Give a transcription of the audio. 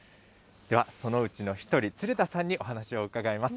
では、そのうちの一人、鶴田さんに、お話を伺います。